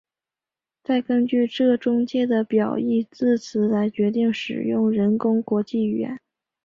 再根据这中介的表义字词来决定使用人工国际语言。